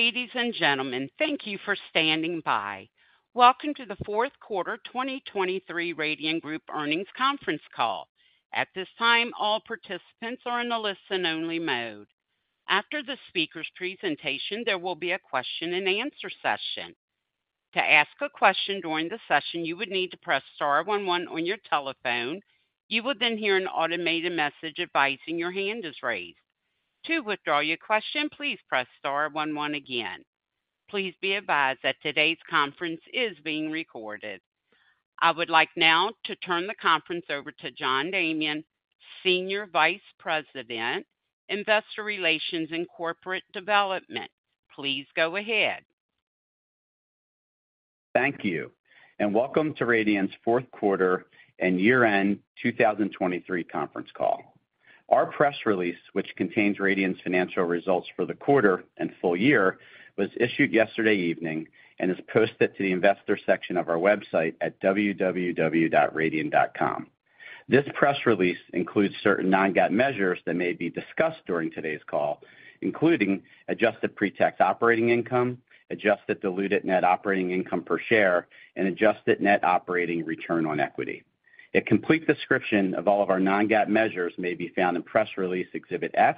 Ladies and gentlemen, thank you for standing by. Welcome to the Fourth Quarter 2023 Radian Group Earnings Conference Call. At this time, all participants are in the listen-only mode. After the speaker's presentation, there will be a question-and-answer session. To ask a question during the session, you would need to press star one one on your telephone. You will then hear an automated message advising your hand is raised. To withdraw your question, please press star one one again. Please be advised that today's conference is being recorded. I would like now to turn the conference over to John Damian, Senior Vice President, Investor Relations and Corporate Development. Please go ahead. Thank you, and welcome to Radian's Fourth Quarter and Year-End 2023 conference call. Our press release, which contains Radian's financial results for the quarter and full year, was issued yesterday evening and is posted to the investor section of our website at www.radian.com. This press release includes certain non-GAAP measures that may be discussed during today's call, including adjusted pretax operating income, adjusted diluted net operating income per share, and adjusted net operating return on equity. A complete description of all of our non-GAAP measures may be found in press release Exhibit F,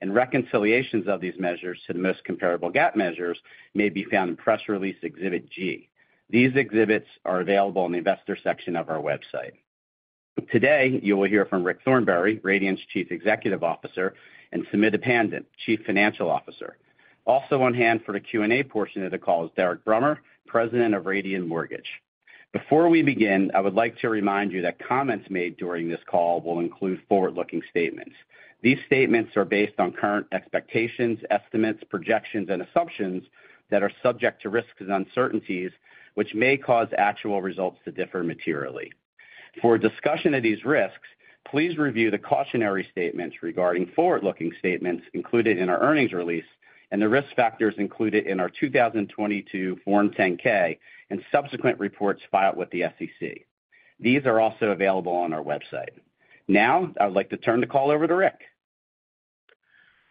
and reconciliations of these measures to the most comparable GAAP measures may be found in press release Exhibit G. These exhibits are available in the investor section of our website. Today, you will hear from Rick Thornberry, Radian's Chief Executive Officer, and Sumita Pandit, Chief Financial Officer. Also on hand for the Q&A portion of the call is Derek Brummer, President of Radian Mortgage. Before we begin, I would like to remind you that comments made during this call will include forward-looking statements. These statements are based on current expectations, estimates, projections, and assumptions that are subject to risks and uncertainties, which may cause actual results to differ materially. For discussion of these risks, please review the cautionary statements regarding forward-looking statements included in our earnings release and the risk factors included in our 2022 Form 10-K and subsequent reports filed with the SEC. These are also available on our website. Now, I would like to turn the call over to Rick.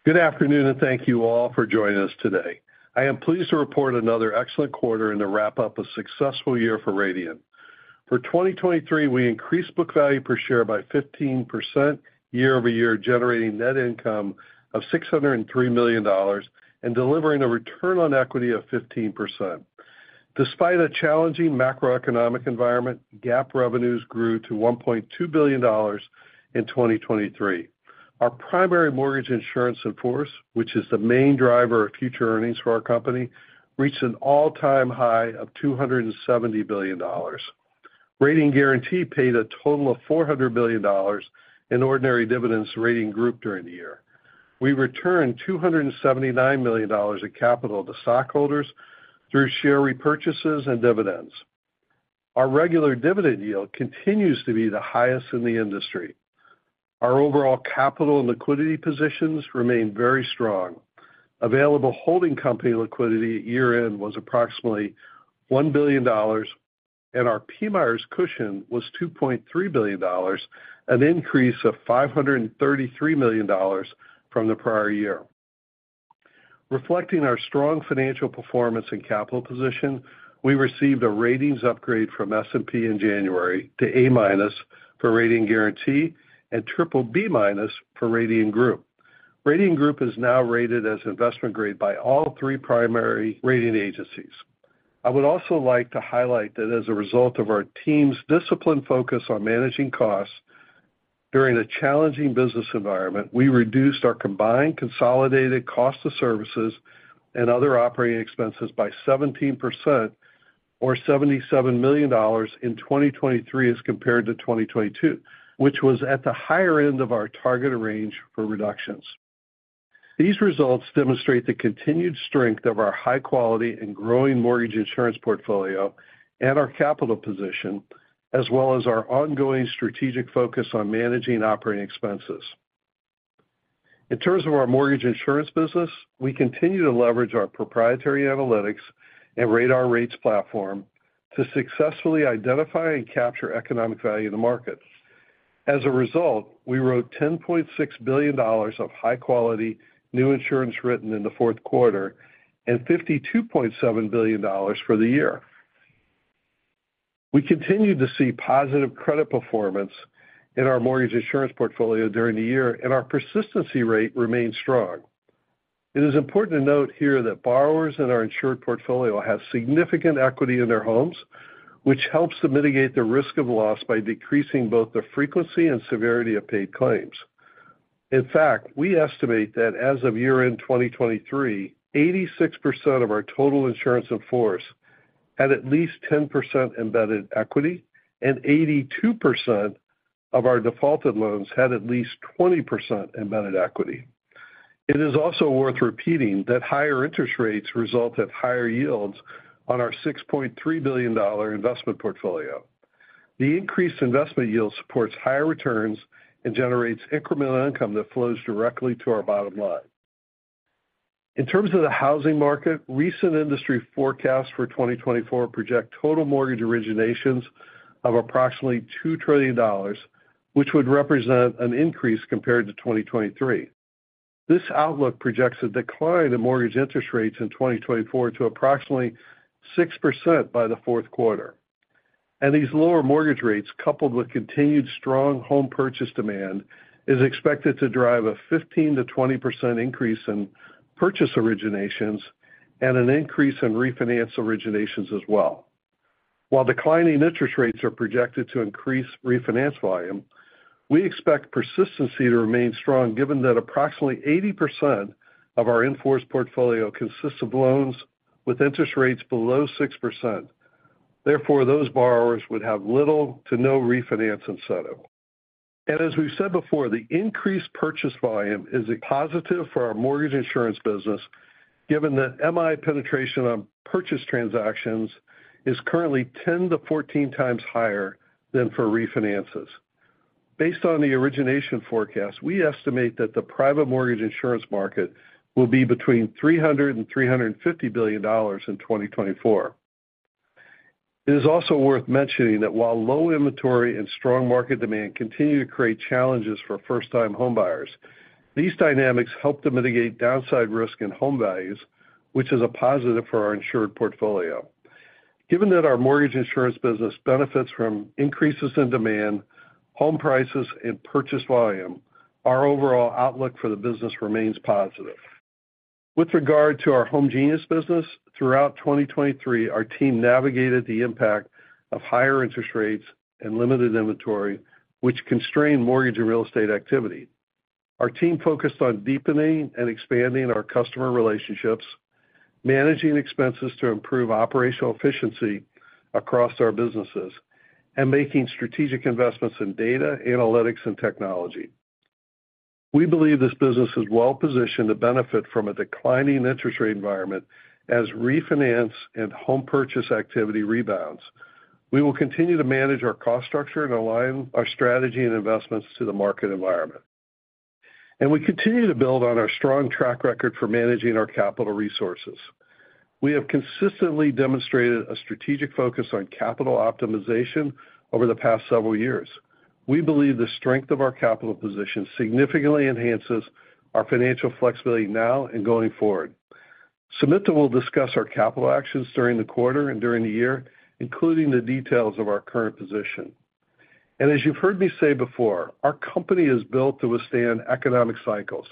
Good afternoon, and thank you all for joining us today. I am pleased to report another excellent quarter and to wrap up a successful year for Radian. For 2023, we increased book value per share by 15% year-over-year, generating net income of $603 million and delivering a return on equity of 15%. Despite a challenging macroeconomic environment, GAAP revenues grew to $1.2 billion in 2023. Our primary mortgage insurance in force, which is the main driver of future earnings for our company, reached an all-time high of $270 billion. Radian Guaranty paid a total of $400 billion in ordinary dividends to Radian Group during the year. We returned $279 million of capital to stockholders through share repurchases and dividends. Our regular dividend yield continues to be the highest in the industry. Our overall capital and liquidity positions remain very strong. Available holding company liquidity year-end was approximately $1 billion, and our PMIERs cushion was $2.3 billion, an increase of $533 million from the prior year. Reflecting our strong financial performance and capital position, we received a ratings upgrade from S&P in January to A- for Radian Guaranty and BBB- for Radian Group. Radian Group is now rated as investment grade by all three primary rating agencies. I would also like to highlight that as a result of our team's disciplined focus on managing costs during a challenging business environment, we reduced our combined consolidated cost of services and other operating expenses by 17%, or $77 million, in 2023 as compared to 2022, which was at the higher end of our target range for reductions. These results demonstrate the continued strength of our high-quality and growing mortgage insurance portfolio and our capital position, as well as our ongoing strategic focus on managing operating expenses. In terms of our mortgage insurance business, we continue to leverage our proprietary analytics and RADAR Rates platform to successfully identify and capture economic value in the market. As a result, we wrote $10.6 billion of high-quality new insurance written in the fourth quarter and $52.7 billion for the year. We continue to see positive credit performance in our mortgage insurance portfolio during the year, and our persistency rate remains strong. It is important to note here that borrowers in our insured portfolio have significant equity in their homes, which helps to mitigate the risk of loss by decreasing both the frequency and severity of paid claims. In fact, we estimate that as of year-end 2023, 86% of our total insurance in force had at least 10% embedded equity, and 82% of our defaulted loans had at least 20% embedded equity. It is also worth repeating that higher interest rates result in higher yields on our $6.3 billion investment portfolio. The increased investment yield supports higher returns and generates incremental income that flows directly to our bottom line. In terms of the housing market, recent industry forecasts for 2024 project total mortgage originations of approximately $2 trillion, which would represent an increase compared to 2023. This outlook projects a decline in mortgage interest rates in 2024 to approximately 6% by the fourth quarter. These lower mortgage rates, coupled with continued strong home purchase demand, are expected to drive a 15%-20% increase in purchase originations and an increase in refinance originations as well. While declining interest rates are projected to increase refinance volume, we expect persistency to remain strong given that approximately 80% of our in force portfolio consists of loans with interest rates below 6%. Therefore, those borrowers would have little to no refinance incentive. As we've said before, the increased purchase volume is positive for our mortgage insurance business given that MI penetration on purchase transactions is currently 10-14 times higher than for refinances. Based on the origination forecast, we estimate that the private mortgage insurance market will be between $300-$350 billion in 2024. It is also worth mentioning that while low inventory and strong market demand continue to create challenges for first-time homebuyers, these dynamics help to mitigate downside risk in home values, which is a positive for our insured portfolio. Given that our mortgage insurance business benefits from increases in demand, home prices, and purchase volume, our overall outlook for the business remains positive. With regard to our Homegenius business, throughout 2023, our team navigated the impact of higher interest rates and limited inventory, which constrained mortgage and real estate activity. Our team focused on deepening and expanding our customer relationships, managing expenses to improve operational efficiency across our businesses, and making strategic investments in data, analytics, and technology. We believe this business is well positioned to benefit from a declining interest rate environment as refinance and home purchase activity rebounds. We will continue to manage our cost structure and align our strategy and investments to the market environment. We continue to build on our strong track record for managing our capital resources. We have consistently demonstrated a strategic focus on capital optimization over the past several years. We believe the strength of our capital position significantly enhances our financial flexibility now and going forward. Sumita will discuss our capital actions during the quarter and during the year, including the details of our current position. As you've heard me say before, our company is built to withstand economic cycles,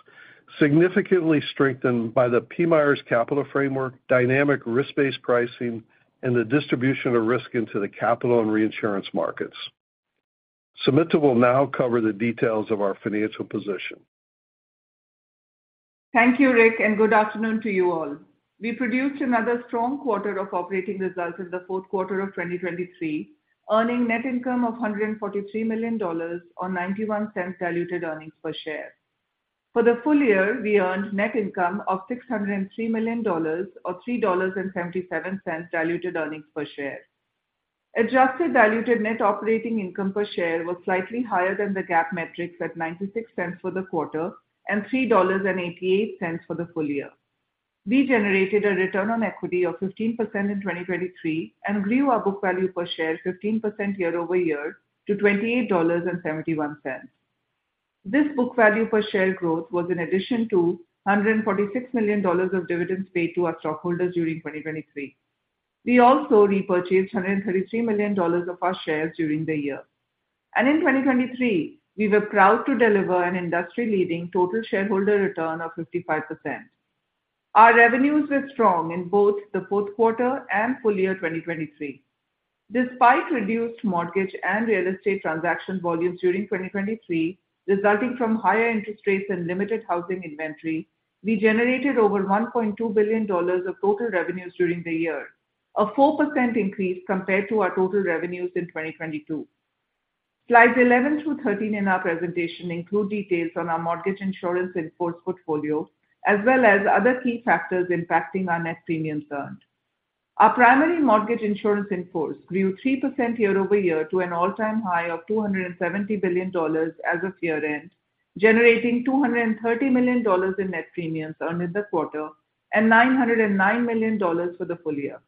significantly strengthened by the PMIERs' capital framework, dynamic risk-based pricing, and the distribution of risk into the capital and reinsurance markets. Sumita will now cover the details of our financial position. Thank you, Rick, and good afternoon to you all. We produced another strong quarter of operating results in the fourth quarter of 2023, earning net income of $143 million or $0.91 diluted earnings per share. For the full year, we earned net income of $603 million or $3.77 diluted earnings per share. Adjusted diluted net operating income per share was slightly higher than the GAAP metrics at $0.96 for the quarter and $3.88 for the full year. We generated a return on equity of 15% in 2023 and grew our book value per share 15% year-over-year to $28.71. This book value per share growth was in addition to $146 million of dividends paid to our stockholders during 2023. We also repurchased $133 million of our shares during the year. In 2023, we were proud to deliver an industry-leading total shareholder return of 55%. Our revenues were strong in both the fourth quarter and full year 2023. Despite reduced mortgage and real estate transaction volumes during 2023 resulting from higher interest rates and limited housing inventory, we generated over $1.2 billion of total revenues during the year, a 4% increase compared to our total revenues in 2022. Slides 11 through 13 in our presentation include details on our mortgage insurance in force portfolio as well as other key factors impacting our net premiums earned. Our primary mortgage insurance in force grew 3% year-over-year to an all-time high of $270 billion as of year-end, generating $230 million in net premiums earned in the quarter and $909 million for the full year.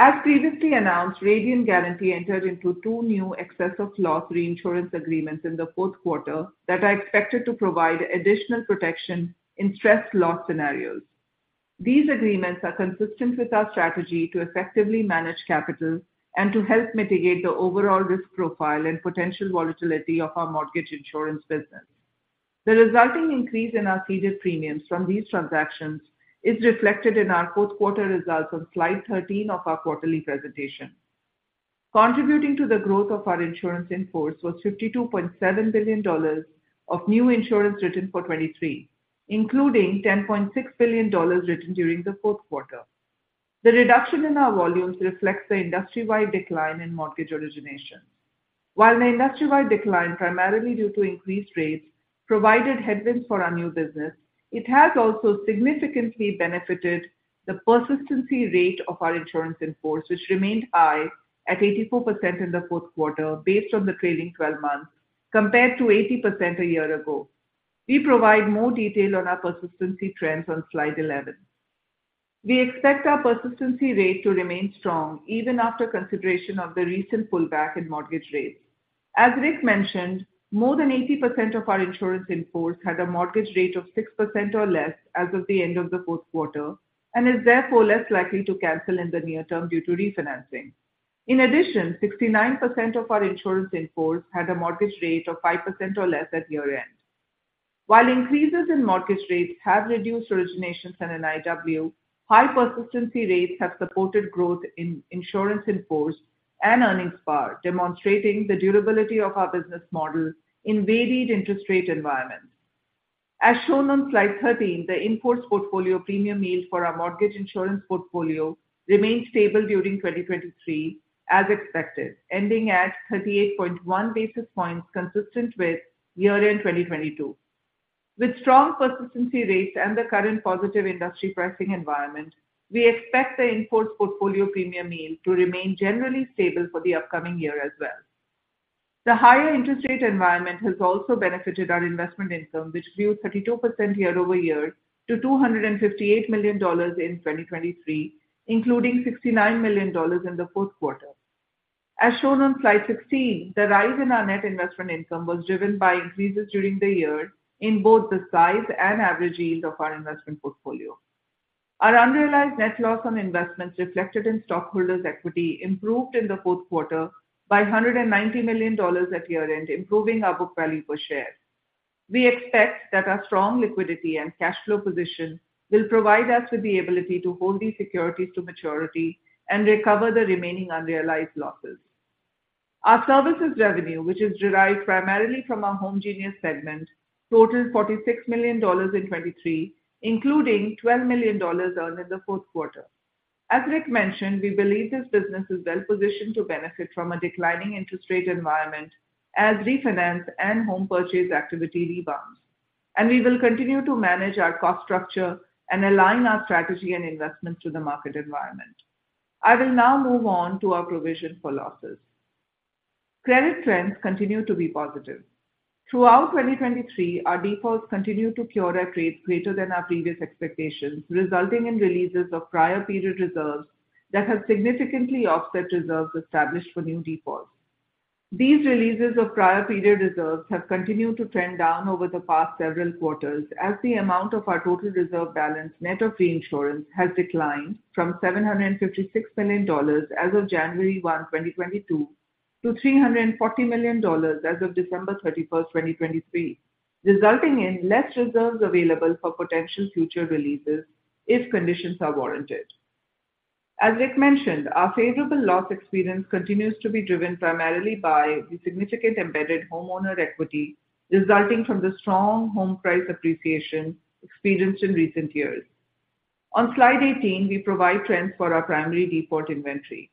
As previously announced, Radian Guaranty entered into two new excess of loss reinsurance agreements in the fourth quarter that are expected to provide additional protection in stressed loss scenarios. These agreements are consistent with our strategy to effectively manage capital and to help mitigate the overall risk profile and potential volatility of our mortgage insurance business. The resulting increase in our ceded premiums from these transactions is reflected in our fourth quarter results on slide 13 of our quarterly presentation. Contributing to the growth of our insurance in force was $52.7 billion of new insurance written for 2023, including $10.6 billion written during the fourth quarter. The reduction in our volumes reflects the industry-wide decline in mortgage originations. While the industry-wide decline, primarily due to increased rates, provided headwinds for our new business, it has also significantly benefited the persistency rate of our insurance in force, which remained high at 84% in the fourth quarter based on the trailing 12 months compared to 80% a year ago. We provide more detail on our persistency trends on slide 11. We expect our persistency rate to remain strong even after consideration of the recent pullback in mortgage rates. As Rick mentioned, more than 80% of our insurance in force had a mortgage rate of 6% or less as of the end of the fourth quarter and is therefore less likely to cancel in the near term due to refinancing. In addition, 69% of our insurance in force had a mortgage rate of 5% or less at year-end. While increases in mortgage rates have reduced originations and NIW, high persistency rates have supported growth in insurance in force and earnings, demonstrating the durability of our business model in varied interest rate environments. As shown on slide 13, the in force portfolio premium yield for our mortgage insurance portfolio remained stable during 2023 as expected, ending at 38.1 basis points consistent with year-end 2022. With strong persistency rates and the current positive industry pricing environment, we expect the in-force portfolio premium yield to remain generally stable for the upcoming year as well. The higher interest rate environment has also benefited our investment income, which grew 32% year-over-year to $258 million in 2023, including $69 million in the fourth quarter. As shown on slide 16, the rise in our net investment income was driven by increases during the year in both the size and average yield of our investment portfolio. Our unrealized net loss on investments reflected in stockholders' equity improved in the fourth quarter by $190 million at year-end, improving our book value per share. We expect that our strong liquidity and cash flow position will provide us with the ability to hold these securities to maturity and recover the remaining unrealized losses. Our services revenue, which is derived primarily from our Homegenius segment, totaled $46 million in 2023, including $12 million earned in the fourth quarter. As Rick mentioned, we believe this business is well positioned to benefit from a declining interest rate environment as refinance and home purchase activity rebounds. We will continue to manage our cost structure and align our strategy and investments to the market environment. I will now move on to our provision for losses. Credit trends continue to be positive. Throughout 2023, our defaults continued to cure at rates greater than our previous expectations, resulting in releases of prior period reserves that have significantly offset reserves established for new defaults. These releases of prior period reserves have continued to trend down over the past several quarters as the amount of our total reserve balance net of reinsurance has declined from $756 million as of January 1, 2022, to $340 million as of December 31, 2023, resulting in less reserves available for potential future releases if conditions are warranted. As Rick mentioned, our favorable loss experience continues to be driven primarily by the significant embedded homeowner equity resulting from the strong home price appreciation experienced in recent years. On slide 18, we provide trends for our primary default inventory.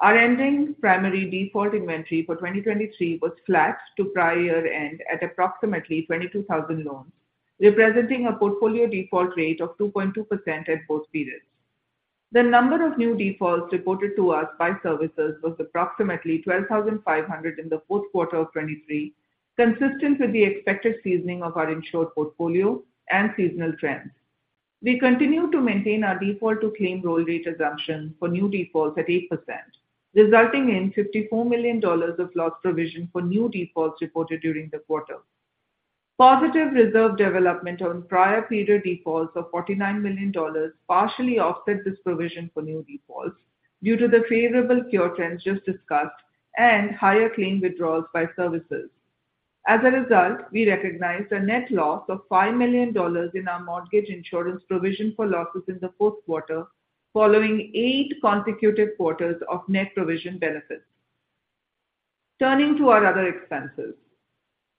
Our ending primary default inventory for 2023 was flat to prior year-end at approximately 22,000 loans, representing a portfolio default rate of 2.2% at both periods. The number of new defaults reported to us by servicers was approximately 12,500 in the fourth quarter of 2023, consistent with the expected seasoning of our insured portfolio and seasonal trends. We continue to maintain our default-to-claim roll rate assumption for new defaults at 8%, resulting in $54 million of loss provision for new defaults reported during the quarter. Positive reserve development on prior period defaults of $49 million partially offset this provision for new defaults due to the favorable cure trends just discussed and higher claim withdrawals by servicers. As a result, we recognized a net loss of $5 million in our mortgage insurance provision for losses in the fourth quarter following eight consecutive quarters of net provision benefits. Turning to our other expenses.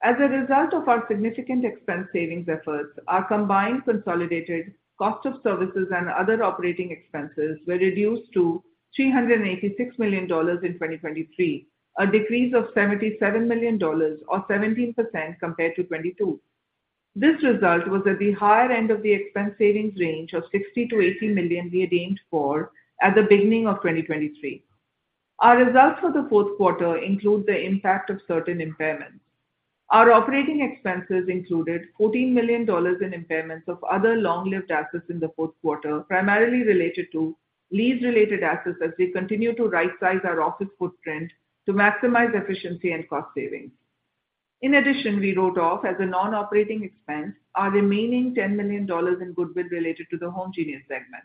As a result of our significant expense savings efforts, our combined consolidated cost of services and other operating expenses were reduced to $386 million in 2023, a decrease of $77 million or 17% compared to 2022. This result was at the higher end of the expense savings range of $60 million-$80 million we aimed for at the beginning of 2023. Our results for the fourth quarter include the impact of certain impairments. Our operating expenses included $14 million in impairments of other long-lived assets in the fourth quarter, primarily related to lease-related assets as we continue to right-size our office footprint to maximize efficiency and cost savings. In addition, we wrote off as a non-operating expense our remaining $10 million in goodwill related to the Homegenius segment.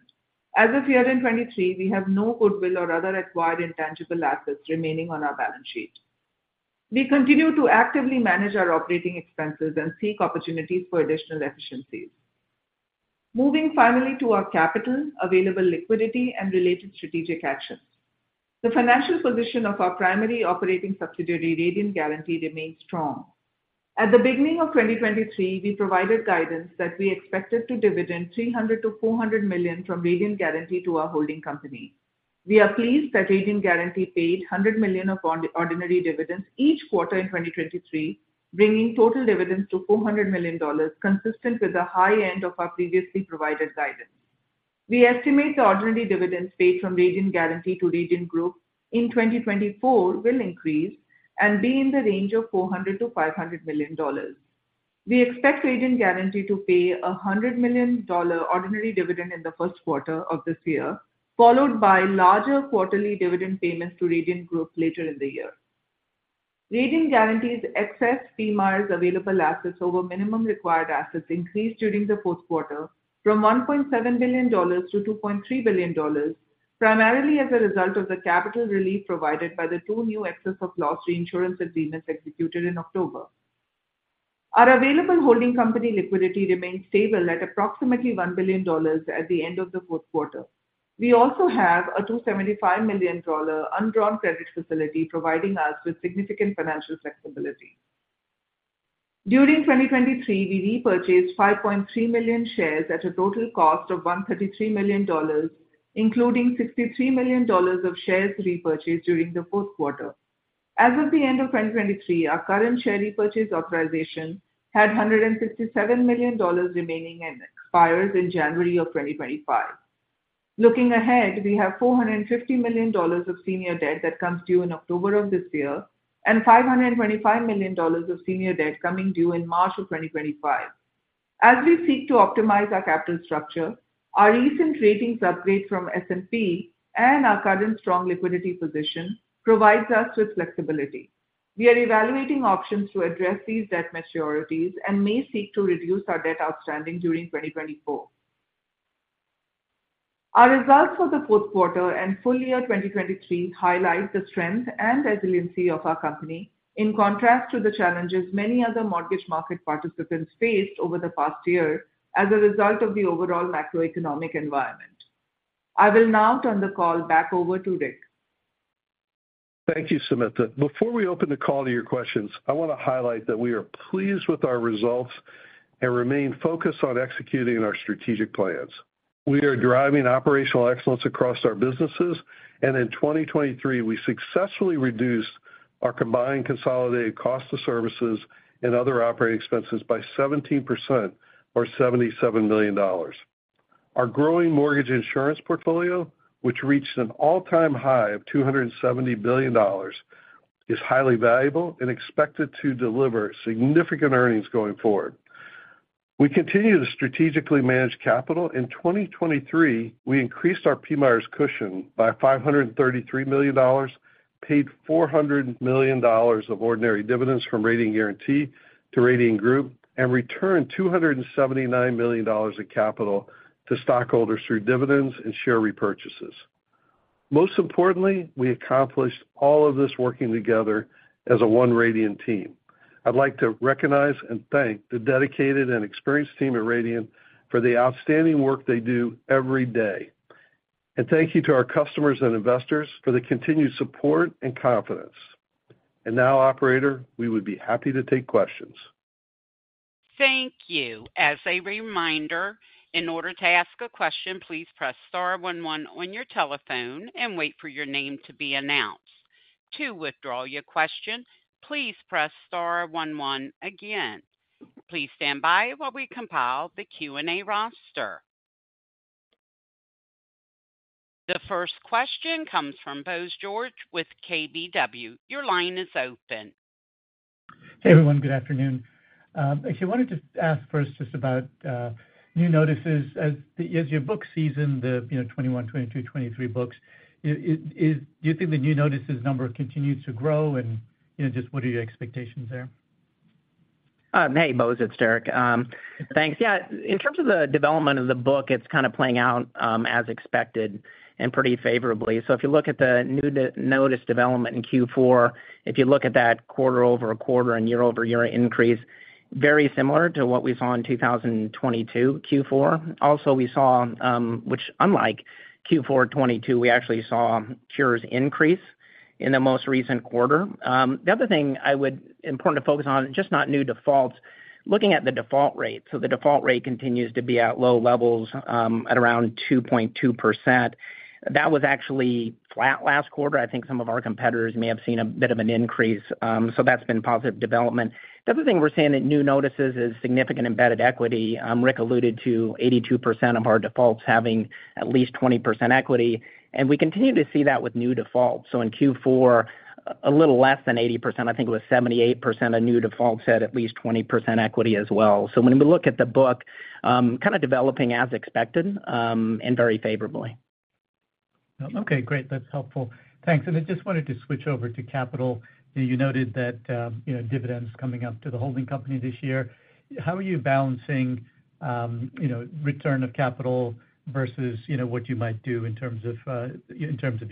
As of year-end 2023, we have no goodwill or other acquired intangible assets remaining on our balance sheet. We continue to actively manage our operating expenses and seek opportunities for additional efficiencies. Moving finally to our capital, available liquidity, and related strategic actions. The financial position of our primary operating subsidiary Radian Guaranty remains strong. At the beginning of 2023, we provided guidance that we expected to dividend $300 million-$400 million from Radian Guaranty to our holding company. We are pleased that Radian Guaranty paid $100 million of ordinary dividends each quarter in 2023, bringing total dividends to $400 million, consistent with the high end of our previously provided guidance. We estimate the ordinary dividends paid from Radian Guaranty to Radian Group in 2024 will increase and be in the range of $400 million-$500 million. We expect Radian Guaranty to pay a $100 million ordinary dividend in the first quarter of this year, followed by larger quarterly dividend payments to Radian Group later in the year. Radian Guaranty's excess PMIERs available assets over minimum required assets increased during the fourth quarter from $1.7 billion to $2.3 billion, primarily as a result of the capital relief provided by the two new excess of loss reinsurance agreements executed in October. Our available holding company liquidity remained stable at approximately $1 billion at the end of the fourth quarter. We also have a $275 million undrawn credit facility providing us with significant financial flexibility. During 2023, we repurchased 5.3 million shares at a total cost of $133 million, including $63 million of shares repurchased during the fourth quarter. As of the end of 2023, our current share repurchase authorization had $167 million remaining and expires in January of 2025. Looking ahead, we have $450 million of senior debt that comes due in October of this year and $525 million of senior debt coming due in March of 2025. As we seek to optimize our capital structure, our recent ratings upgrade from S&P and our current strong liquidity position provides us with flexibility. We are evaluating options to address these debt maturities and may seek to reduce our debt outstanding during 2024. Our results for the fourth quarter and full year 2023 highlight the strength and resiliency of our company in contrast to the challenges many other mortgage market participants faced over the past year as a result of the overall macroeconomic environment. I will now turn the call back over to Rick. Thank you, Sumita. Before we open the call to your questions, I want to highlight that we are pleased with our results and remain focused on executing our strategic plans. We are driving operational excellence across our businesses, and in 2023, we successfully reduced our combined consolidated cost of services and other operating expenses by 17% or $77 million. Our growing mortgage insurance portfolio, which reached an all-time high of $270 billion, is highly valuable and expected to deliver significant earnings going forward. We continue to strategically manage capital. In 2023, we increased our PMIERs' cushion by $533 million, paid $400 million of ordinary dividends from Radian Guaranty to Radian Group, and returned $279 million of capital to stockholders through dividends and share repurchases. Most importantly, we accomplished all of this working together as a one Radian team. I'd like to recognize and thank the dedicated and experienced team at Radian for the outstanding work they do every day. Thank you to our customers and investors for the continued support and confidence. Now, operator, we would be happy to take questions. Thank you. As a reminder, in order to ask a question, please press star one one on your telephone and wait for your name to be announced. To withdraw your question, please press star one one again. Please stand by while we compile the Q&A roster. The first question comes from Bose George with KBW. Your line is open. Hey, everyone. Good afternoon. Actually, I wanted to ask first just about new notices. As your book season, the 2021, 2022, 2023 books, do you think the new notices number continues to grow? And just what are your expectations there? Hey, Bose. It's Derek. Thanks. Yeah, in terms of the development of the book, it's kind of playing out as expected and pretty favorably. So if you look at the new notice development in Q4, if you look at that quarter-over-quarter and year-over-year increase, very similar to what we saw in 2022 Q4. Also, we saw, which unlike Q4 2022, we actually saw cures increase in the most recent quarter. The other thing important to focus on, just not new defaults, looking at the default rate. So the default rate continues to be at low levels at around 2.2%. That was actually flat last quarter. I think some of our competitors may have seen a bit of an increase. So that's been positive development. The other thing we're seeing in new notices is significant embedded equity. Rick alluded to 82% of our defaults having at least 20% equity. We continue to see that with new defaults. In Q4, a little less than 80%. I think it was 78% of new defaults had at least 20% equity as well. When we look at the book, kind of developing as expected and very favorably. Okay. Great. That's helpful. Thanks. I just wanted to switch over to capital. You noted that dividends coming up to the holding company this year. How are you balancing return of capital versus what you might do in terms of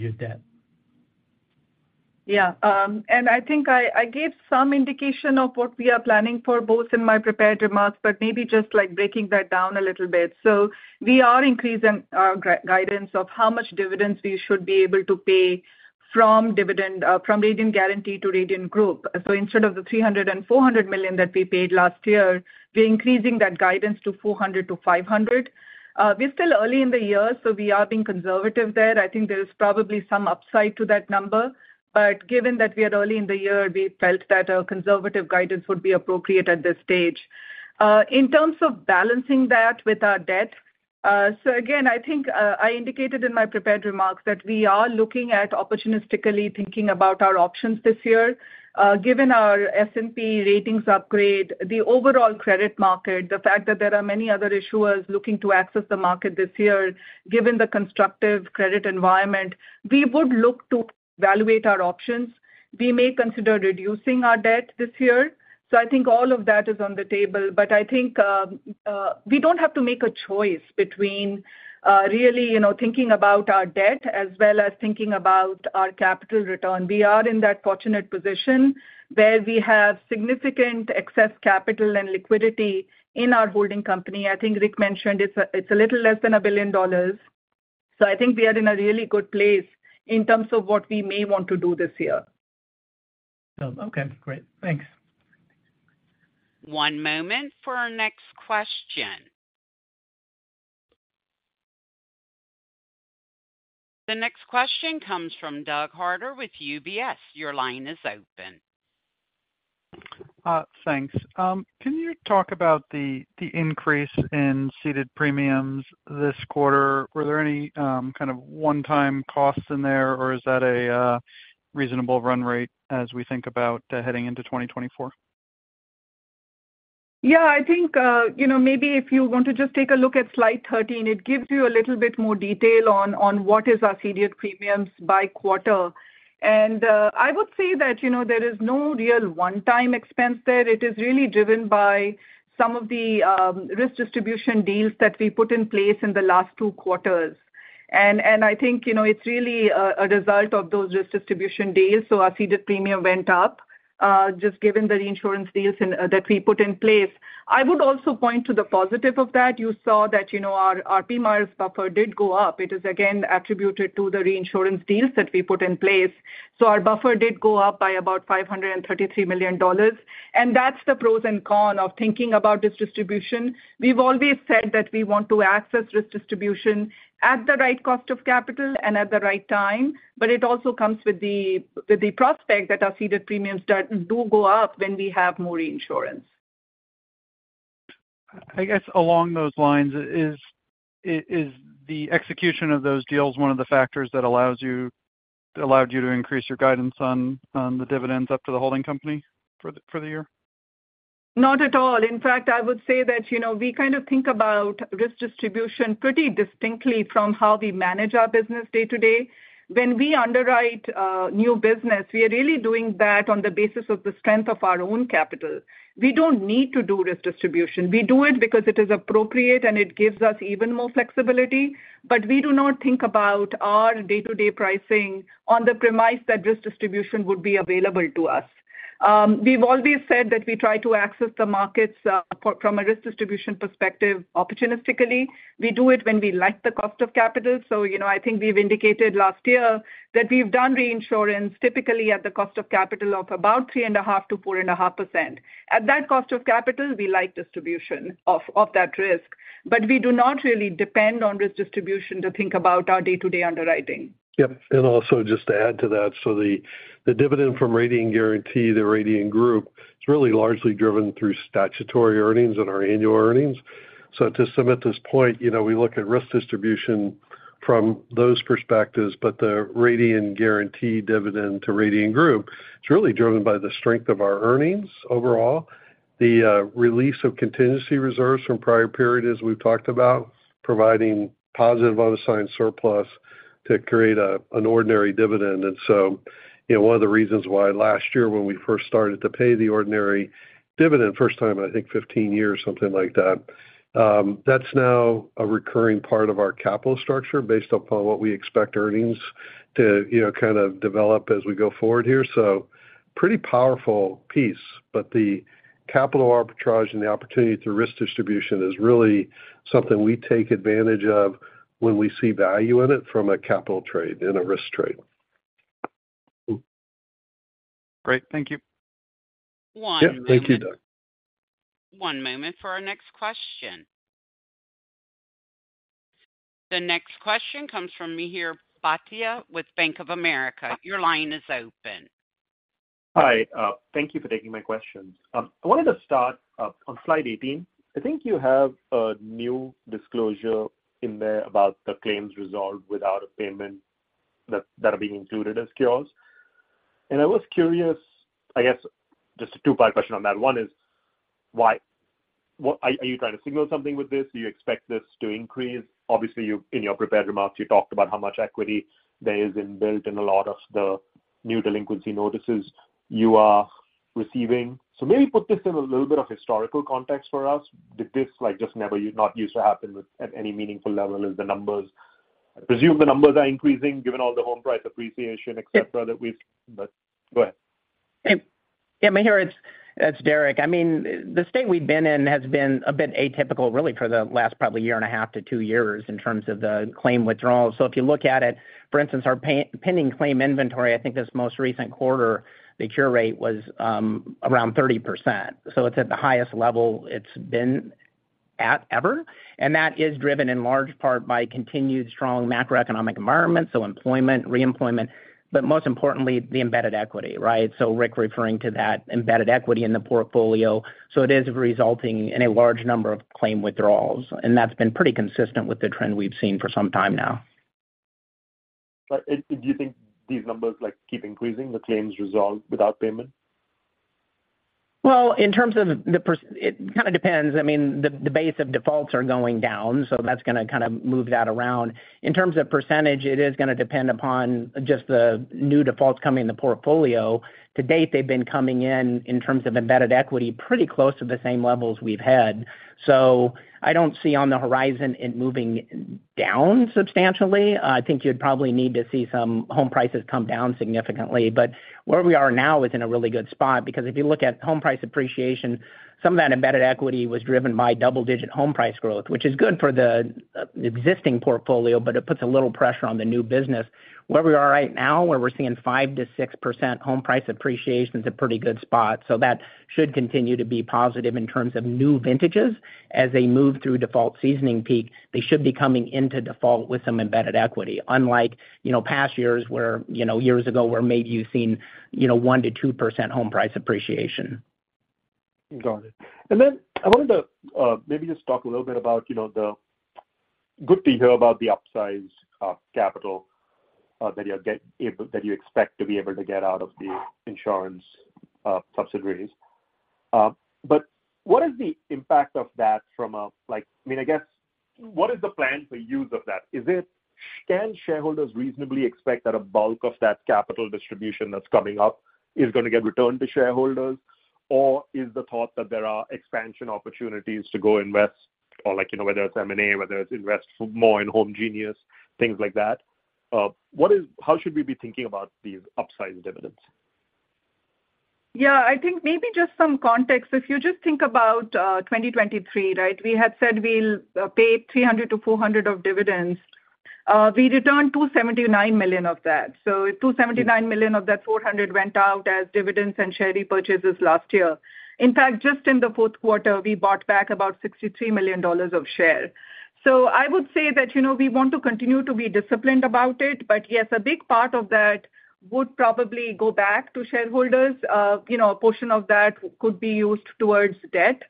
your debt? Yeah. And I think I gave some indication of what we are planning for both in my prepared remarks, but maybe just breaking that down a little bit. So we are increasing our guidance of how much dividends we should be able to pay from Radian Guaranty to Radian Group. So instead of the $300 million-$400 million that we paid last year, we're increasing that guidance to $400 million-$500 million. We're still early in the year, so we are being conservative there. I think there is probably some upside to that number. But given that we are early in the year, we felt that a conservative guidance would be appropriate at this stage. In terms of balancing that with our debt so again, I think I indicated in my prepared remarks that we are looking at opportunistically thinking about our options this year. Given our S&P ratings upgrade, the overall credit market, the fact that there are many other issuers looking to access the market this year, given the constructive credit environment, we would look to evaluate our options. We may consider reducing our debt this year. I think all of that is on the table. But I think we don't have to make a choice between really thinking about our debt as well as thinking about our capital return. We are in that fortunate position where we have significant excess capital and liquidity in our holding company. I think Rick mentioned it's a little less than $1 billion. I think we are in a really good place in terms of what we may want to do this year. Okay. Great. Thanks. One moment for our next question. The next question comes from Doug Harter with UBS. Your line is open. Thanks. Can you talk about the increase in ceded premiums this quarter? Were there any kind of one-time costs in there, or is that a reasonable run rate as we think about heading into 2024? Yeah. I think maybe if you want to just take a look at slide 13, it gives you a little bit more detail on what is our ceded premiums by quarter. And I would say that there is no real one-time expense there. It is really driven by some of the risk distribution deals that we put in place in the last two quarters. And I think it's really a result of those risk distribution deals. So our ceded premium went up just given the reinsurance deals that we put in place. I would also point to the positive of that. You saw that our PMIERs buffer did go up. It is, again, attributed to the reinsurance deals that we put in place. So our buffer did go up by about $533 million. And that's the pros and cons of thinking about this distribution. We've always said that we want to access risk distribution at the right cost of capital and at the right time. But it also comes with the prospect that our ceded premiums do go up when we have more reinsurance. I guess along those lines, is the execution of those deals one of the factors that allowed you to increase your guidance on the dividends up to the holding company for the year? Not at all. In fact, I would say that we kind of think about risk distribution pretty distinctly from how we manage our business day to day. When we underwrite new business, we are really doing that on the basis of the strength of our own capital. We don't need to do risk distribution. We do it because it is appropriate, and it gives us even more flexibility. But we do not think about our day-to-day pricing on the premise that risk distribution would be available to us. We've always said that we try to access the markets from a risk distribution perspective opportunistically. We do it when we like the cost of capital. So I think we've indicated last year that we've done reinsurance typically at the cost of capital of about 3.5%-4.5%. At that cost of capital, we like distribution of that risk. But we do not really depend on risk distribution to think about our day-to-day underwriting. Yep. And also just to add to that, so the dividend from Radian Guaranty to Radian Group is really largely driven through statutory earnings and our annual earnings. So to Sumita's point, we look at risk distribution from those perspectives. But the Radian Guaranty dividend to Radian Group is really driven by the strength of our earnings overall, the release of contingency reserves from prior periods, as we've talked about, providing positive unassigned surplus to create an ordinary dividend. And so one of the reasons why last year, when we first started to pay the ordinary dividend, first time, I think, 15 years, something like that, that's now a recurring part of our capital structure based upon what we expect earnings to kind of develop as we go forward here. So pretty powerful piece. But the capital arbitrage and the opportunity through risk distribution is really something we take advantage of when we see value in it from a capital trade, in a risk trade. Great. Thank you. One moment. Yep. Thank you, Doug. One moment for our next question. The next question comes from Mihir Bhatia with Bank of America. Your line is open. Hi. Thank you for taking my questions. I wanted to start on slide 18. I think you have a new disclosure in there about the claims resolved without a payment that are being included as cures. And I was curious, I guess, just a two-part question on that. One is, are you trying to signal something with this? Do you expect this to increase? Obviously, in your prepared remarks, you talked about how much equity there is inbuilt in a lot of the new delinquency notices you are receiving. So maybe put this in a little bit of historical context for us. Did this just never not used to happen at any meaningful level as the numbers I presume the numbers are increasing given all the home price appreciation, etc., that we've but go ahead. Yeah. Mihir, it's Derek. I mean, the state we've been in has been a bit atypical, really, for the last probably 1.5 to 2 years in terms of the claim withdrawals. So if you look at it, for instance, our pending claim inventory, I think this most recent quarter, the cure rate was around 30%. So it's at the highest level it's been at ever. And that is driven in large part by continued strong macroeconomic environment, so employment, reemployment, but most importantly, the embedded equity, right? So Rick referring to that embedded equity in the portfolio. So it is resulting in a large number of claim withdrawals. And that's been pretty consistent with the trend we've seen for some time now. But do you think these numbers keep increasing, the claims resolved without payment? Well, in terms of it, it kind of depends. I mean, the base of defaults are going down, so that's going to kind of move that around. In terms of percentage, it is going to depend upon just the new defaults coming in the portfolio. To date, they've been coming in, in terms of embedded equity pretty close to the same levels we've had. So I don't see on the horizon it moving down substantially. I think you'd probably need to see some home prices come down significantly. But where we are now is in a really good spot because if you look at home price appreciation, some of that embedded equity was driven by double-digit home price growth, which is good for the existing portfolio, but it puts a little pressure on the new business. Where we are right now, where we're seeing 5%-6% home price appreciation, is a pretty good spot. So that should continue to be positive in terms of new vintages. As they move through default seasoning peak, they should be coming into default with some embedded equity, unlike past years where years ago maybe you've seen 1%-2% home price appreciation. Got it. And then I wanted to maybe just talk a little bit about the good to hear about the upsize capital that you expect to be able to get out of the insurance subsidiaries. But what is the impact of that from a, I mean, I guess, what is the plan for use of that? Can shareholders reasonably expect that a bulk of that capital distribution that's coming up is going to get returned to shareholders? Or is the thought that there are expansion opportunities to go invest, whether it's M&A, whether it's invest more in Homegenius, things like that? How should we be thinking about these upsized dividends? Yeah. I think maybe just some context. If you just think about 2023, right, we had said we'll pay $300 million-$400 million of dividends. We returned $279 million of that. So $279 million of that $400 million went out as dividends and share repurchases last year. In fact, just in the fourth quarter, we bought back about $63 million of shares. So I would say that we want to continue to be disciplined about it. But yes, a big part of that would probably go back to shareholders. A portion of that could be used towards debt.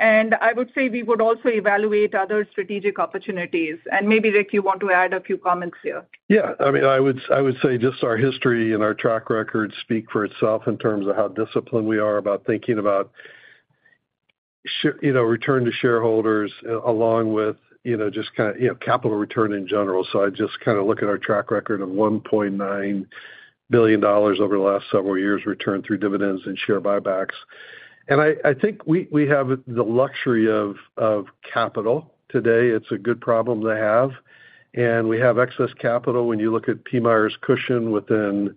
And I would say we would also evaluate other strategic opportunities. And maybe, Rick, you want to add a few comments here. Yeah. I mean, I would say just our history and our track record speak for itself in terms of how disciplined we are about thinking about return to shareholders along with just kind of capital return in general. So I just kind of look at our track record of $1.9 billion over the last several years returned through dividends and share buybacks. And I think we have the luxury of capital today. It's a good problem to have. And we have excess capital. When you look at PMIERs' cushion within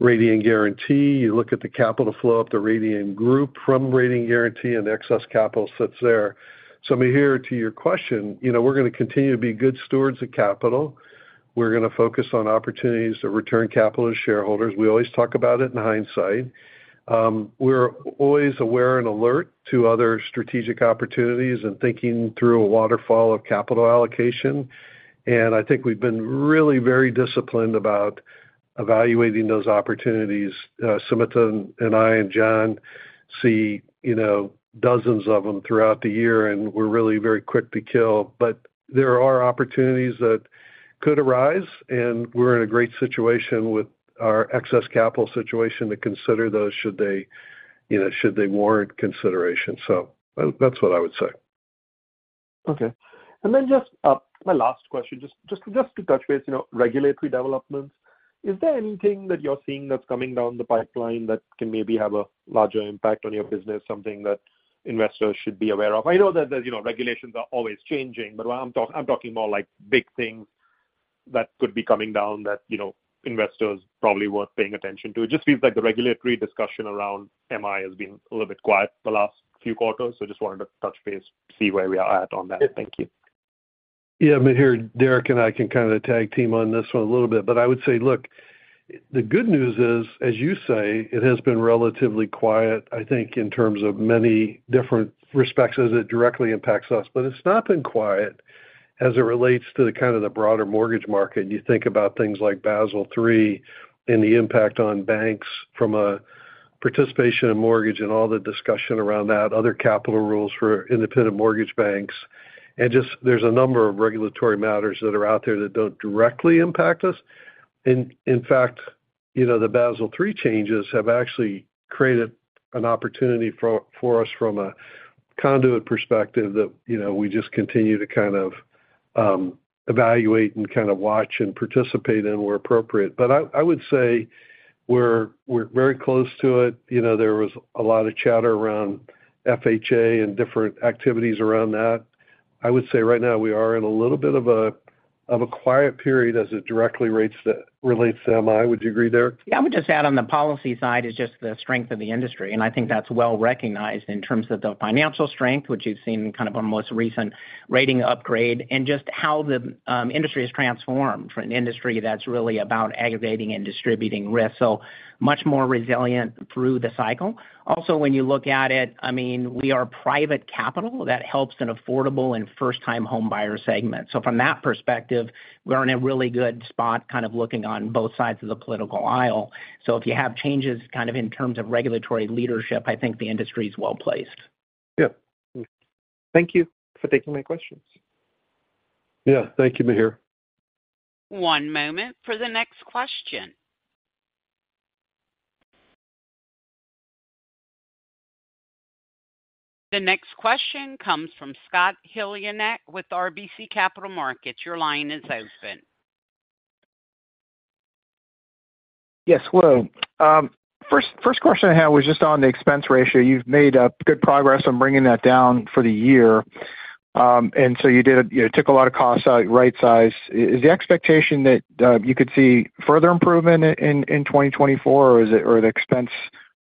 Radian Guaranty, you look at the capital flow up to Radian Group from Radian Guaranty, and the excess capital sits there. So Mihir, to your question, we're going to continue to be good stewards of capital. We're going to focus on opportunities to return capital to shareholders. We always talk about it in hindsight. We're always aware and alert to other strategic opportunities and thinking through a waterfall of capital allocation. And I think we've been really very disciplined about evaluating those opportunities. Sumita and I and John see dozens of them throughout the year, and we're really very quick to kill. But there are opportunities that could arise, and we're in a great situation with our excess capital situation to consider those should they warrant consideration. So that's what I would say. Okay. And then just my last question, just to touch base, regulatory developments, is there anything that you're seeing that's coming down the pipeline that can maybe have a larger impact on your business, something that investors should be aware of? I know that regulations are always changing, but I'm talking more like big things that could be coming down that investors probably weren't paying attention to. It just feels like the regulatory discussion around MI has been a little bit quiet the last few quarters. So just wanted to touch base, see where we are at on that. Thank you. Yeah. Mihir, Derek and I can kind of tag team on this one a little bit. But I would say, look, the good news is, as you say, it has been relatively quiet, I think, in terms of many different respects as it directly impacts us. But it's not been quiet as it relates to kind of the broader mortgage market. You think about things like Basel III and the impact on banks from a participation in mortgage and all the discussion around that, other capital rules for independent mortgage banks. And just there's a number of regulatory matters that are out there that don't directly impact us. In fact, the Basel III changes have actually created an opportunity for us from a conduit perspective that we just continue to kind of evaluate and kind of watch and participate in where appropriate. But I would say we're very close to it. There was a lot of chatter around FHA and different activities around that. I would say right now, we are in a little bit of a quiet period as it directly relates to MI. Would you agree, Derek? Yeah. I would just add on the policy side is just the strength of the industry. And I think that's well recognized in terms of the financial strength, which you've seen kind of on the most recent rating upgrade, and just how the industry has transformed from an industry that's really about aggregating and distributing risk, so much more resilient through the cycle. Also, when you look at it, I mean, we are private capital. That helps an affordable and first-time homebuyer segment. So from that perspective, we're in a really good spot kind of looking on both sides of the political aisle. So if you have changes kind of in terms of regulatory leadership, I think the industry is well placed. Yep. Thank you for taking my questions. Yeah. Thank you, Mihir. One moment for the next question. The next question comes from Scott Heleniak with RBC Capital Markets. Your line is open. Yes. Hello. First question I have was just on the expense ratio. You've made good progress on bringing that down for the year. And so you took a lot of costs out, right-sized. Is the expectation that you could see further improvement in 2024, or is the expense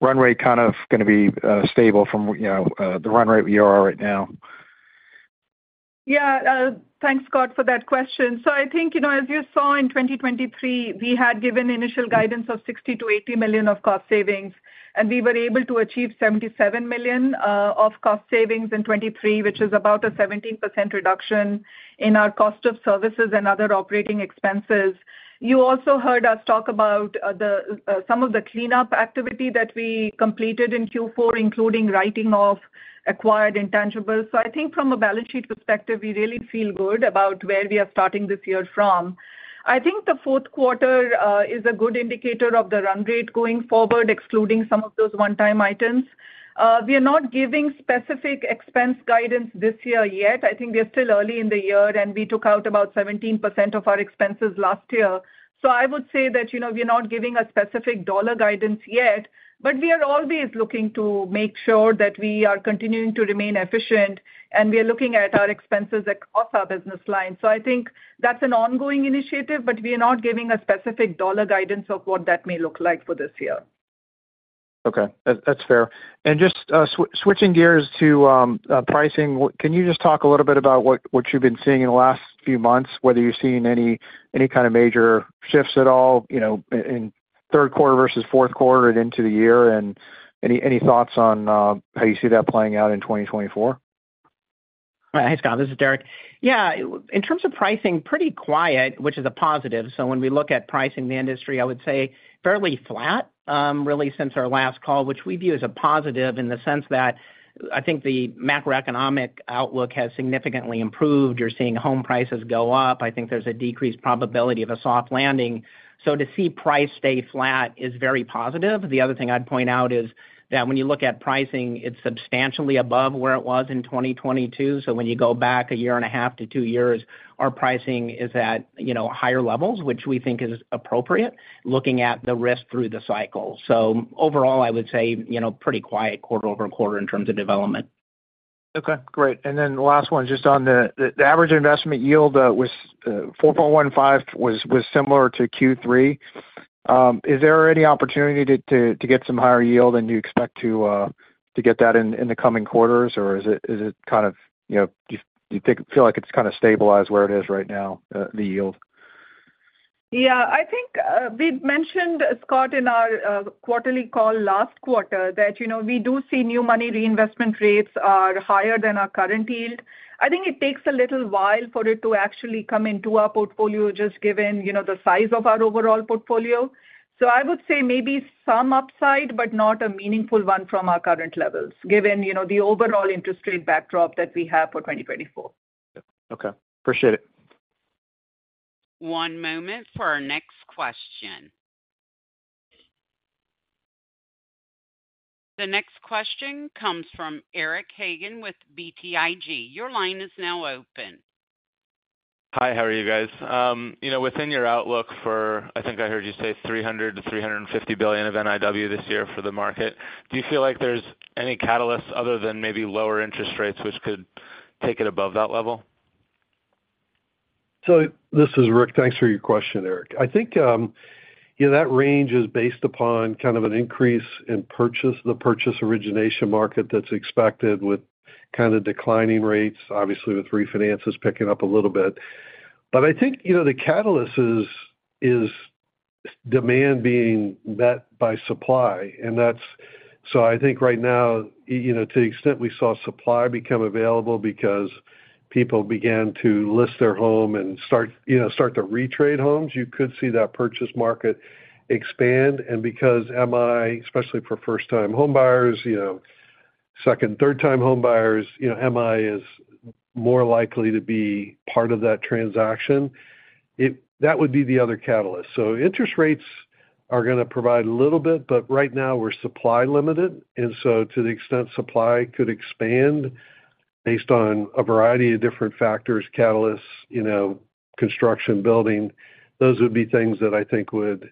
run rate kind of going to be stable from the run rate we are right now? Yeah. Thanks, Scott, for that question. So I think, as you saw in 2023, we had given initial guidance of $60 million-$80 million of cost savings, and we were able to achieve $77 million of cost savings in 2023, which is about a 17% reduction in our cost of services and other operating expenses. You also heard us talk about some of the cleanup activity that we completed in Q4, including writing off acquired intangibles. So I think from a balance sheet perspective, we really feel good about where we are starting this year from. I think the fourth quarter is a good indicator of the run rate going forward, excluding some of those one-time items. We are not giving specific expense guidance this year yet. I think we are still early in the year, and we took out about 17% of our expenses last year. So I would say that we are not giving a specific dollar guidance yet. But we are always looking to make sure that we are continuing to remain efficient, and we are looking at our expenses across our business line. So I think that's an ongoing initiative, but we are not giving a specific dollar guidance of what that may look like for this year. Okay. That's fair. Just switching gears to pricing, can you just talk a little bit about what you've been seeing in the last few months, whether you're seeing any kind of major shifts at all in third quarter versus fourth quarter and into the year, and any thoughts on how you see that playing out in 2024? All right. Hey, Scott. This is Derek. Yeah. In terms of pricing, pretty quiet, which is a positive. So when we look at pricing the industry, I would say fairly flat, really, since our last call, which we view as a positive in the sense that I think the macroeconomic outlook has significantly improved. You're seeing home prices go up. I think there's a decreased probability of a soft landing. So to see pricing stay flat is very positive. The other thing I'd point out is that when you look at pricing, it's substantially above where it was in 2022. So when you go back a year and a half to two years, our pricing is at higher levels, which we think is appropriate, looking at the risk through the cycle. So overall, I would say pretty quiet quarter-over-quarter in terms of development. Okay. Great. And then last one, just on the average investment yield, 4.15 was similar to Q3. Is there any opportunity to get some higher yield, and do you expect to get that in the coming quarters, or is it kind of do you feel like it's kind of stabilized where it is right now, the yield? Yeah. I think we've mentioned, Scott, in our quarterly call last quarter that we do see new money reinvestment rates are higher than our current yield. I think it takes a little while for it to actually come into our portfolio, just given the size of our overall portfolio. So I would say maybe some upside, but not a meaningful one from our current levels, given the overall interest rate backdrop that we have for 2024. Okay. Appreciate it. One moment for our next question. The next question comes from Eric Hagen with BTIG. Your line is now open. Hi. How are you guys? Within your outlook for I think I heard you say $300 billion-$350 billion of NIW this year for the market, do you feel like there's any catalysts other than maybe lower interest rates which could take it above that level? So this is Rick. Thanks for your question, Eric. I think that range is based upon kind of an increase in the purchase origination market that's expected with kind of declining rates, obviously, with refinances picking up a little bit. But I think the catalyst is demand being met by supply. And so I think right now, to the extent we saw supply become available because people began to list their home and start to retrade homes, you could see that purchase market expand. And because MI, especially for first-time homebuyers, second, third-time homebuyers, MI is more likely to be part of that transaction, that would be the other catalyst. So interest rates are going to provide a little bit, but right now, we're supply-limited. And so to the extent supply could expand based on a variety of different factors, catalysts, construction, building, those would be things that I think would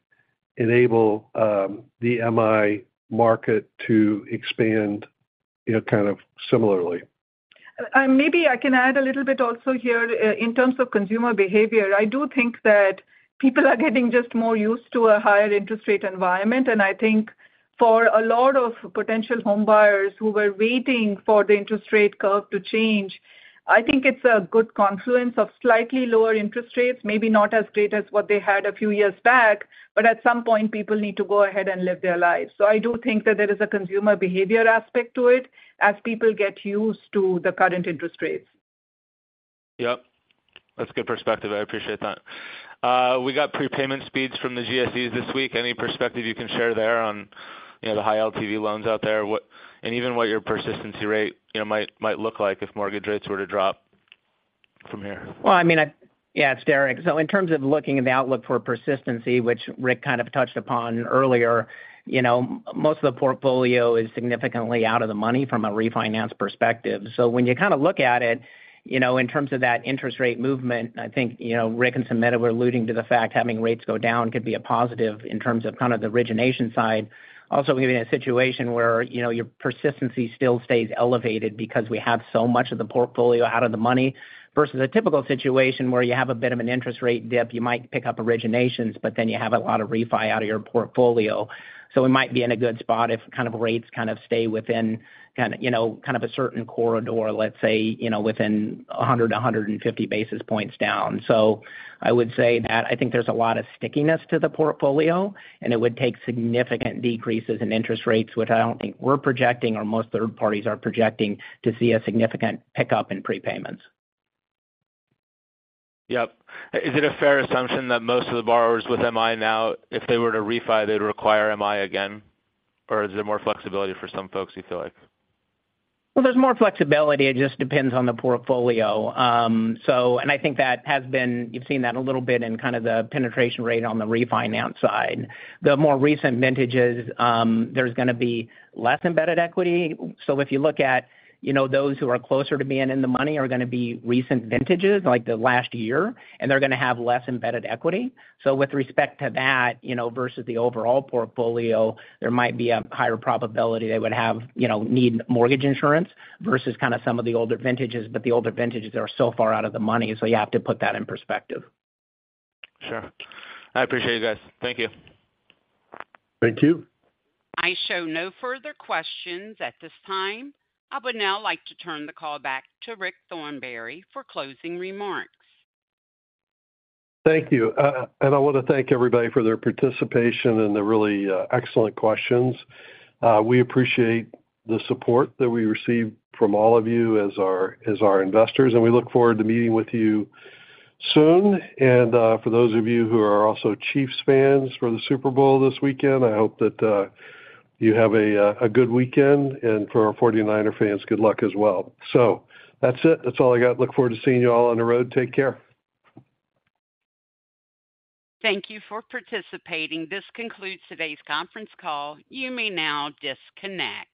enable the MI market to expand kind of similarly. Maybe I can add a little bit also here in terms of consumer behavior. I do think that people are getting just more used to a higher interest rate environment. And I think for a lot of potential homebuyers who were waiting for the interest rate curve to change, I think it's a good confluence of slightly lower interest rates, maybe not as great as what they had a few years back. But at some point, people need to go ahead and live their lives. So I do think that there is a consumer behavior aspect to it as people get used to the current interest rates. Yep. That's good perspective. I appreciate that. We got prepayment speeds from the GSEs this week. Any perspective you can share there on the high LTV loans out there and even what your persistency rate might look like if mortgage rates were to drop from here? Well, I mean, yeah, it's Derek. So in terms of looking at the outlook for persistency, which Rick kind of touched upon earlier, most of the portfolio is significantly out of the money from a refinance perspective. So when you kind of look at it in terms of that interest rate movement, I think Rick and Sumita were alluding to the fact having rates go down could be a positive in terms of kind of the origination side, also giving a situation where your persistency still stays elevated because we have so much of the portfolio out of the money versus a typical situation where you have a bit of an interest rate dip. You might pick up originations, but then you have a lot of refi out of your portfolio. So we might be in a good spot if kind of rates kind of stay within kind of a certain corridor, let's say, within 100-150 basis points down. So I would say that I think there's a lot of stickiness to the portfolio, and it would take significant decreases in interest rates, which I don't think we're projecting or most third parties are projecting, to see a significant pickup in prepayments. Yep. Is it a fair assumption that most of the borrowers with MI now, if they were to refi, they'd require MI again? Or is there more flexibility for some folks, you feel like? Well, there's more flexibility. It just depends on the portfolio. And I think that has been you've seen that a little bit in kind of the penetration rate on the refinance side. The more recent vintages, there's going to be less embedded equity. So if you look at those who are closer to being in the money are going to be recent vintages, like the last year, and they're going to have less embedded equity. So with respect to that versus the overall portfolio, there might be a higher probability they would need mortgage insurance versus kind of some of the older vintages. But the older vintages are so far out of the money, so you have to put that in perspective. Sure. I appreciate you guys. Thank you. Thank you. I show no further questions at this time. I would now like to turn the call back to Rick Thornberry for closing remarks. Thank you. I want to thank everybody for their participation and the really excellent questions. We appreciate the support that we receive from all of you as our investors, and we look forward to meeting with you soon. For those of you who are also Chiefs fans for the Super Bowl this weekend, I hope that you have a good weekend. For our 49er fans, good luck as well. That's it. That's all I got. Look forward to seeing you all on the road. Take care. Thank you for participating. This concludes today's conference call. You may now disconnect.